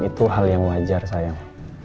itu hal yang wajar sayang